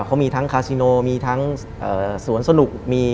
เขามีทั้งคาซิโนมีทั้งสวนสนุก